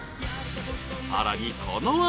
［さらにこの後］